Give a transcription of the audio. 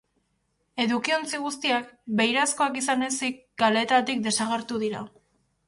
Edukiontzi guztiak, beirazkoak izan ezik, kaleetatik desagertuko dira.